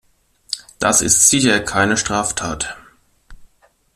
Das ist sicher keine Straftat!